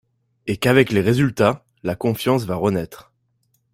Et qu’avec les résultats, la confiance va renaître.